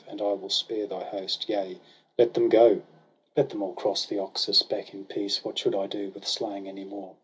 And I will spare thy host ; yea, let them go ! Let them all cross the Oxus back in peace ! What should I do with slaying any more?